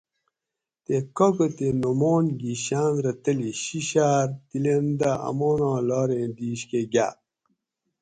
تے کاکا تے نعمان گھی شاۤن رہ تلی شِشاۤر تِلیندہ اماناں لاریں دِیش کہ گاۤ